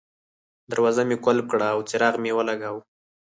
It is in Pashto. دروازه مې قلف کړه او څراغ مې ولګاوه.